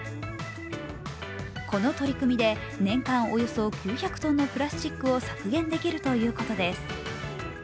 この取り組みで年間およそ９００ｔのプラスチックを削減できるということです。